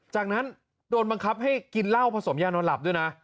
จากนั้นโดนบังคับให้กินเหล้าผสมยานอนหลับด้วยนะ